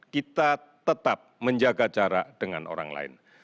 kita tetap menjaga jarak dengan orang lain